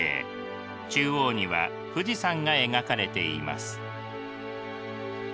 中央には富士山が描かれています。